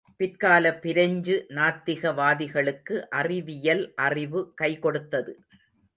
பிற்கால பிரெஞ்சு நாத்திக வாதிகளுக்கு அறிவியல் அறிவு கைகொடுத்தது.